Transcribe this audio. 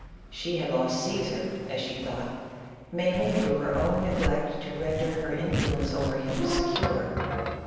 She had lost Caesar, as she thought, mainly through her own neglect to render her influence over him secure.